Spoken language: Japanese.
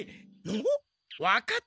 おっ？